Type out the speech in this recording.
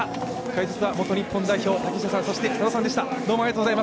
解説は元日本代表竹下さん佐野さんでした。